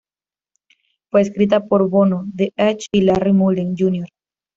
Fue escrita por Bono, The Edge y Larry Mullen Jr.